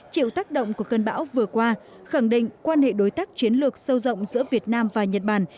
chịu tác động của cơn bão vừa qua khẳng định quan hệ đối tác chiến lược sâu rộng giữa việt nam và nhật bản